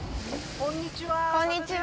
こんにちは。